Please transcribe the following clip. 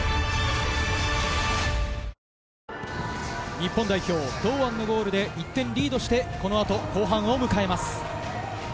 日本代表、堂安のゴールで１点リードして、この後後半を迎えます。